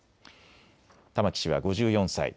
玉木氏は５４歳。